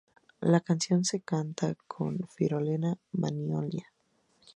La canción se canta con Fiorella Mannoia.